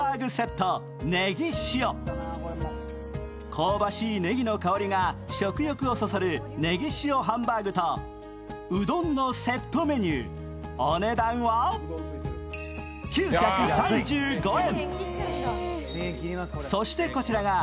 香ばしいねぎの香りが食欲をそそるねぎ塩ハンバーグとうどんのセットメニュー、お値段は９３５円。